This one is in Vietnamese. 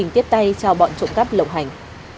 hay cho bọn trộm cắp lộng hành